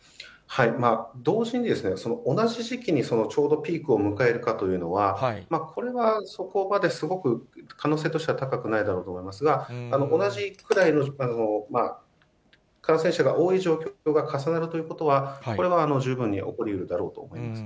同時に、同じ時期にちょうどピークを迎えるかというのは、これはそこまですごく可能性としては高くないだろうと思いますが、同じくらいの感染者が多い状況が重なるということは、これは十分に起こりうるだろうと思います。